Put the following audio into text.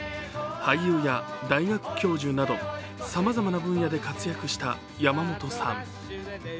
俳優や大学教授などさまざまな分野で活躍した山本さん。